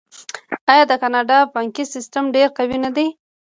آیا د کاناډا بانکي سیستم ډیر قوي نه دی؟